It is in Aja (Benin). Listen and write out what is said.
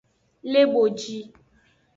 Le boji.